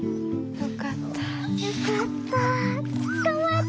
よかった。